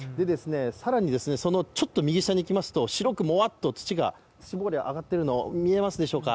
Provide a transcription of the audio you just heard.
更にそのちょっと右下にいきますと白くもわっと、土煙が上がっているのが見えますでしょうか。